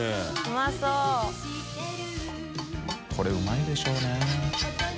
海うまいでしょうね。